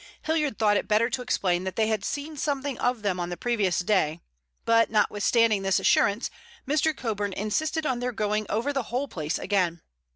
Hilliard thought it better to explain that they had seen something of them on the previous day, but notwithstanding this assurance Mr. Coburn insisted on their going over the whole place again.